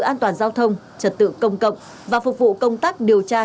an toàn giao thông trật tự công cộng và phục vụ công tác điều tra